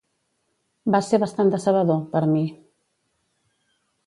Va ser bastant decebedor, per mi.